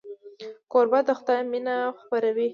کوربه د خدای مینه خپروي.